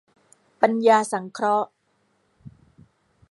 ปัญญาสังเคราะห์